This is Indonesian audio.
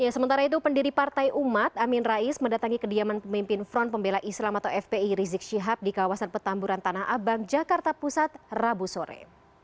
sementara itu pendiri partai umat amin rais mendatangi kediaman pemimpin front pembela islam atau fpi rizik syihab di kawasan petamburan tanah abang jakarta pusat rabu sore